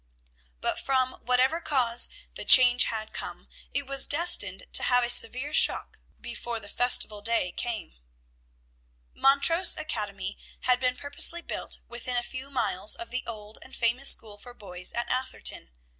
But from whatever cause the change had come, it was destined to have a severe shock before the festival day came. Montrose Academy had been purposely built within a few miles of the old and famous school for boys in Atherton.